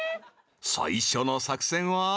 ［最初の作戦は］